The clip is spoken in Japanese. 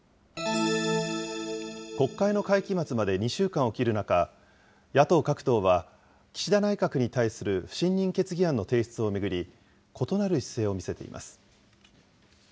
国会の会期末まで２週間を切る中、野党各党は岸田内閣に対する不信任決議案の提出を巡り、異なる姿勢を見せています。